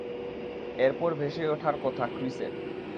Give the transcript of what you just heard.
এরপর ভেসে ওঠার কথা ক্রিসের।